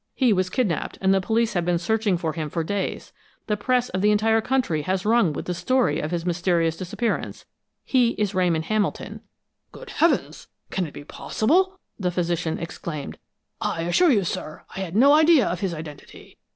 He was kidnaped, and the police have been searching for him for days. The press of the entire country has rung with the story of his mysterious disappearance. He is Ramon Hamilton." "Good heavens! Can it be possible!" the physician exclaimed. "I assure you, sir, I had no idea of his identity.